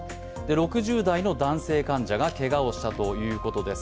６０代の男性患者がけがをしたということです。